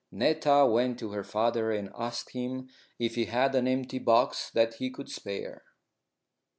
Netta went to her father and asked him if he had an empty box that he could spare.